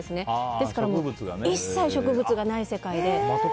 ですから一切植物がない世界で。